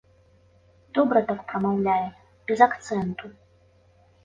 Добра так прамаўляе, без акцэнту.